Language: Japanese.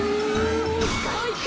かいか！